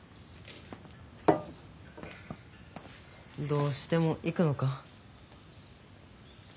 どうしても行くのか？